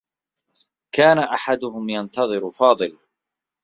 كان أحدهم ينتظر فاضل.